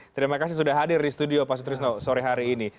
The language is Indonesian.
terima kasih sudah hadir di studio pak sutrisno sore hari ini